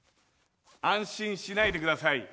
安心しないで下さい。